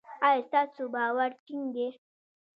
ایا ستاسو باور ټینګ دی؟